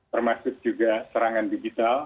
termasuk juga serangan digital